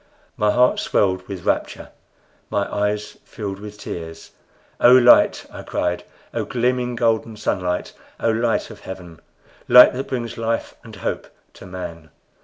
My heart swelled with rapture, my eyes filled with tears. "O Light!" I cried; "O gleaming, golden Sunlight! O Light of Heaven! light that brings life and hope to man!"